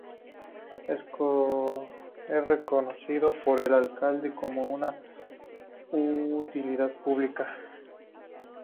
Es reconocido por el alcalde como de utilidad pública.